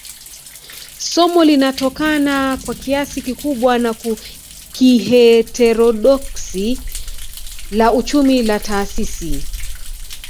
Somo linatokana kwa kiasi kikubwa na kiheterodoksi la uchumi wa taasisi